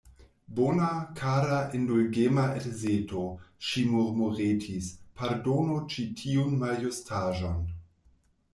Bona, kara, indulgema edzeto, ŝi murmuretis, pardonu ĉi tiun maljustaĵon.